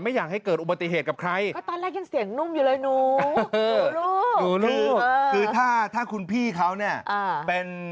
ไม่อยากให้เกิดอุบัติเหตุกับใครก็ตอนแรกยังเสียงนุ่มอยู่เลยนูหนูคือถ้าคุณพี่เขาเนี่ย